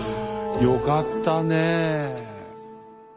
よかったねえ。